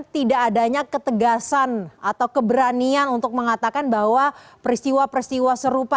tidak adanya ketegasan atau keberanian untuk mengatakan bahwa peristiwa peristiwa serupa